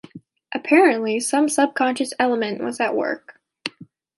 Apparently some subconscious element was at work.